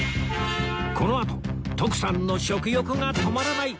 このあと徳さんの食欲が止まらない！